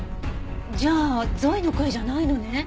じゃあゾイの声じゃないのね？